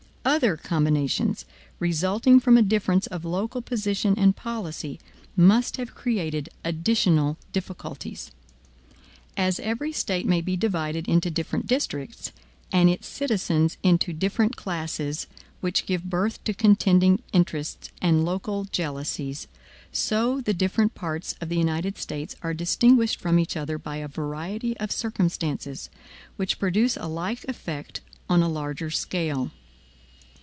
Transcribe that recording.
Other combinations, resulting from a difference of local position and policy, must have created additional difficulties. As every State may be divided into different districts, and its citizens into different classes, which give birth to contending interests and local jealousies, so the different parts of the United States are distinguished from each other by a variety of circumstances, which produce a like effect on a larger scale.